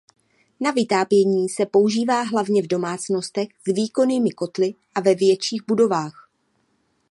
Na vytápění se používá hlavně v domácnostech s výkonnými kotli a ve větších budovách.